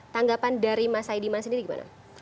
tanggapan dari mas saidiman sendiri gimana